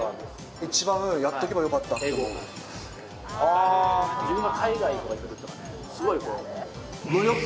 一番やっとけばよかったというのは。